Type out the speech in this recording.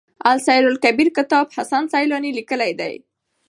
السير لکبير کتاب حسن سيلاني ليکی دی.